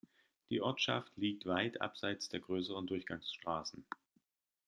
Die Ortschaft liegt weit abseits der größeren Durchgangsstraßen.